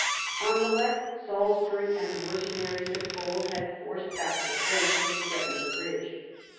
On the left Salisbury and the mercenaries of Boves had forced back the French and threatened the bridge.